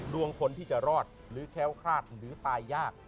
ดวงคนที่จะรอดหรือแค้วคลาดหรือตายยาก